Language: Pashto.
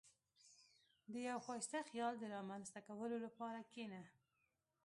• د یو ښایسته خیال د رامنځته کولو لپاره کښېنه.